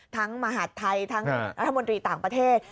ทั้งมหัสไทยทั้งอ่ารัฐมนตรีต่างประเทศ